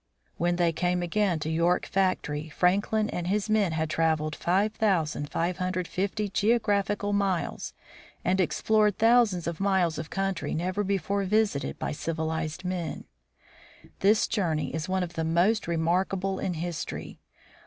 When they came again to York Factory, Franklin and his men had traveled 5550 geographical miles and explored thousands of miles of country never before visited by civi lized men. This journey is one of the most remarkable in history.